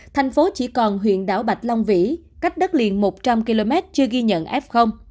thành phố chỉ còn huyện đảo bạch long vĩ cách đất liền một trăm linh km chưa ghi nhận f